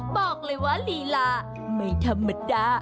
บอกเลยว่าลีลาไม่ธรรมดา